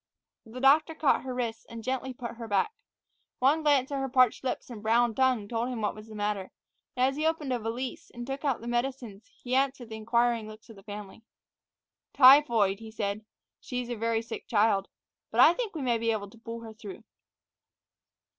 The doctor caught her wrists and gently put her back. One glance at her parched lips and brown tongue had told him what was the matter, and as he opened a valise and took out some medicines he answered the inquiring looks of the family. "Typhoid," he said. "She's a very sick child. But I think we may be able to pull her through."